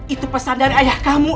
itu pesan dari ayah kamu